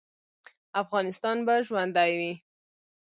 افغانستان به ژوندی وي